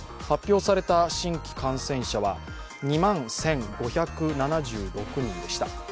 発表された新規感染者は２万１５７６人でした。